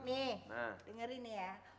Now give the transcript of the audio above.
nih dengerin nih ya